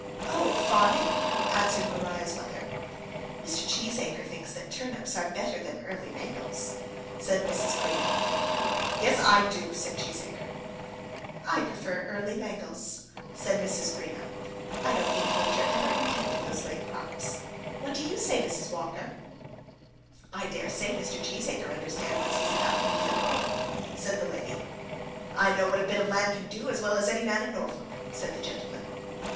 "Oh; farming!" answered Maria's mother. "Mr. Cheesacre thinks that turnips are better than early mangels," said Mrs. Greenow. "Yes, I do," said Cheesacre, "I prefer the early mangels," said Mrs. Greenow. "I don't think nature ever intended those late crops. What do you say, Mrs. Walker?" "I daresay Mr. Cheesacre understands what he's about when he's at home," said the lady. "I know what a bit of land can do as well as any man in Norfolk," said the gentleman.